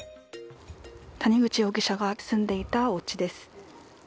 谷口容疑者が住んでいたおうちです。